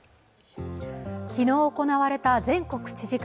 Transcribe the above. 昨日行われた全国知事会。